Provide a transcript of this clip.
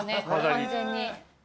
完全に。